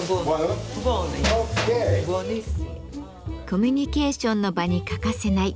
「コミュニケーションの場に欠かせない」